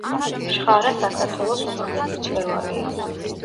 შხარა საქართველოს უმაღლესი მწვერვალია.